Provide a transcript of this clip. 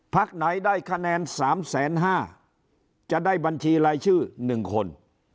ไหนได้คะแนน๓๕๐๐จะได้บัญชีรายชื่อ๑คน